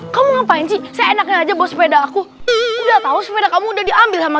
kamu ngapain sih saya enaknya aja bawa sepeda aku tidak tahu sepeda kamu udah diambil sama